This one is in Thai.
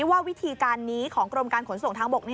ว่าวิธีการนี้ของกรมการขนส่งทางบก